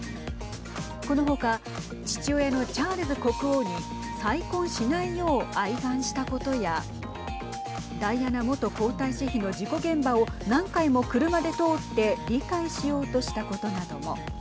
この他、父親のチャールズ国王に再婚しないよう哀願したことやダイアナ元皇太子妃の事故現場を何回も車で通って理解しようしたことなども。